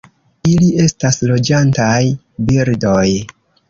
Ili estas loĝantaj birdoj.